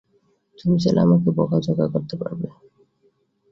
তুমি চাইলে আমাকে বকা-ঝকা করতে পারবে।